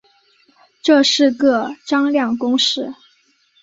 这是个张量公式。